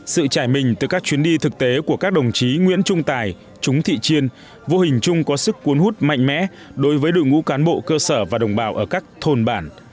sự trải mình từ các chuyến đi thực tế của các đồng chí nguyễn trung tài chúng thị chiên vô hình chung có sức cuốn hút mạnh mẽ đối với đội ngũ cán bộ cơ sở và đồng bào ở các thôn bản